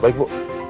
ya baik bu